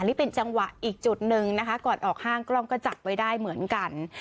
นี่เป็นจังหวะอีกจุดหนึ่งนะคะก่อนออกห้างกล้องก็จับไว้ได้เหมือนกัน